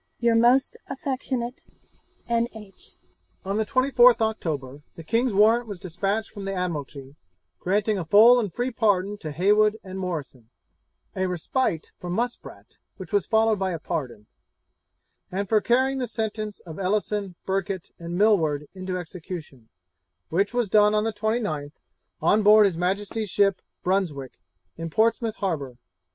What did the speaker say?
Your most affectionate, N. H.' On the 24th October, the king's warrant was despatched from the Admiralty, granting a full and free pardon to Heywood and Morrison, a respite for Muspratt, which was followed by a pardon; and for carrying the sentence of Ellison, Burkitt, and Millward into execution, which was done on the 29th, on board his Majesty's ship Brunswick, in Portsmouth harbour.